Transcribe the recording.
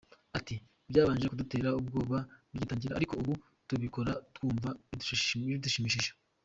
Ati “Byabanje kudutera ubwoba bigitangira ariko ubu tubikora twumva bidushimishije.